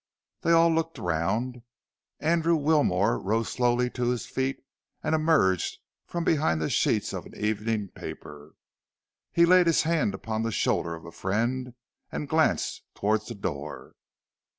They all looked around. Andrew Wilmore rose slowly to his feet and emerged from behind the sheets of an evening paper. He laid his hand upon the shoulder of a friend, and glanced towards the door.